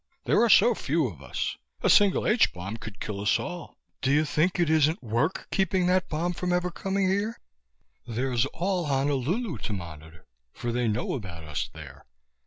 There are so few of us. A single H bomb could kill us all. Do you think it isn't work, keeping that bomb from ever coming here? There's all Honolulu to monitor, for they know about us there.